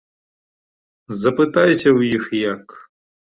Запытайся ў іх як!